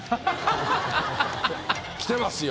きてますよ。